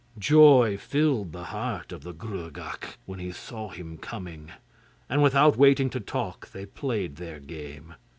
Joy filled the heart of the Gruagach when he saw him coming, and without waiting to talk they played their game.